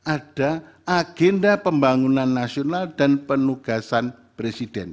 ada agenda pembangunan nasional dan penugasan presiden